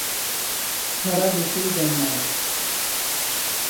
সারা দেশেই জন্মায়।